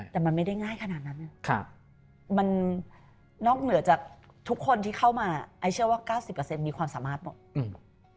แต่มันไม่ได้ง่ายขนาดนั้นเลยมันนอกเหนือจากทุกคนที่เข้ามาไอ้เชื่อว่า๙๐มีความสามารถหมด